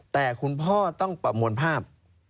แต่คุณพ่อต้องประมวลภาพ